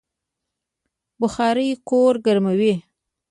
بخارۍ کور ګرموي